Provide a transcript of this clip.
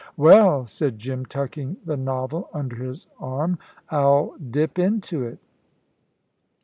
"Well," said Jim, tucking the novel under his arm, "I'll dip into it."